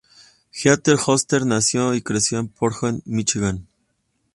Heather Hooters nació y creció en Portage, Míchigan.